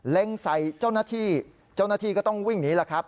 เล็งใส่เจ้าหน้าที่เจ้าหน้าที่ก็ต้องวิ่งหนีล่ะครับ